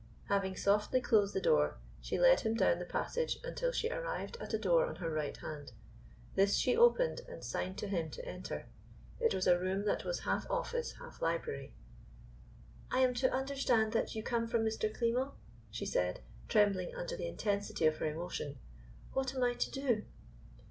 Having softly closed the door she led him down the passage until she arrived at a door on her right hand. This she opened and signed to him to enter. It was a room that was half office half library. "I am to understand that you come from Mr. Klimo?" she said, trembling under the intensity of her emotion. "What am I to do?"